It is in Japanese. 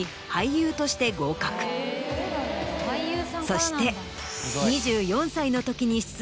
そして。